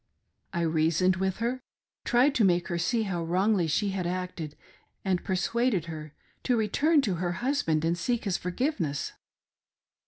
I reasoned with her, tried to make her see how wrongly she had acted, and persuaded her to return to her husband and seek his forgiveness.